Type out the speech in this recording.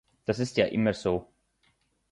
Das ist ja immer so.